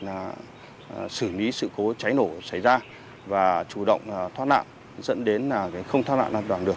là xử lý sự cố cháy nổ xảy ra và chủ động thoát nạn dẫn đến là không thoát nạn an toàn được